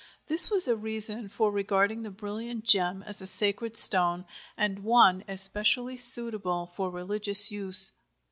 This was a reason for regarding the brilliant gem as a sacred stone and one especially suitable for religious use.